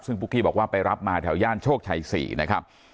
ซึ่งปุ๊กกี้บอกว่าไปรับมาแถวย่านโชคชัย๔นะครับ